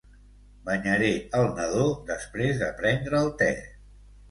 Banyaré el nadó després de prendre el te